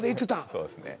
そうですね。